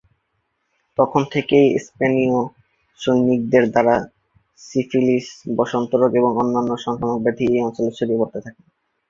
তখন থেকেই স্পেনীয় সৈনিকদের দ্বারা সিফিলিস, বসন্ত রোগ এবং অন্যান্য সংক্রামক ব্যাধি এ অঞ্চলে ছড়িয়ে পড়তে থাকে।